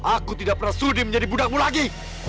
aku tidak pernah studi menjadi budakmu lagi